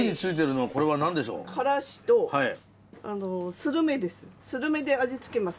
するめで味付けます。